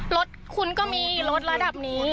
รถคุณก็มีรถระดับนี้